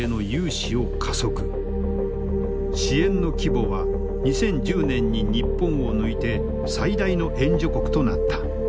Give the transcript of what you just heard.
支援の規模は２０１０年に日本を抜いて最大の援助国となった。